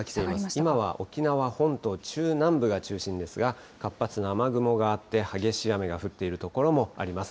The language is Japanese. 今は、沖縄本島中南部が中心ですが、活発な雨雲があって、激しい雨が降っている所もあります。